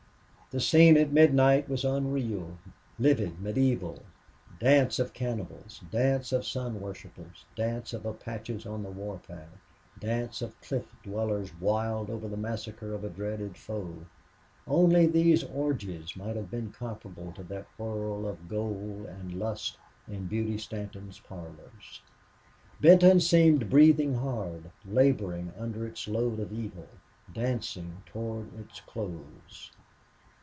The scene at midnight was unreal, livid, medieval. Dance of cannibals, dance of sun worshipers, dance of Apaches on the war path, dance of cliff dwellers wild over the massacre of a dreaded foe only these orgies might have been comparable to that whirl of gold and lust in Beauty Stanton's parlors. Benton seemed breathing hard, laboring under its load of evil, dancing toward its close.